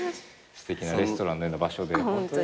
すてきなレストランのような場所で。